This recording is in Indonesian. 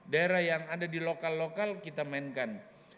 daerah yang ada di lokal lokal kita mainkan